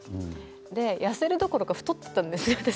でも痩せるどころか太ってしまったんですよ。